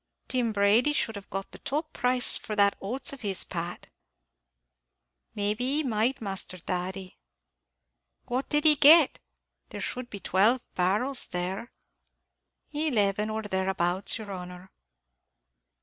"Tim Brady should have got the top price for that oats of his, Pat." "Maybe he might, Masther Thady." "What did he get? there should be twelve barrels there." "Eleven, or thereabouts, yer honor."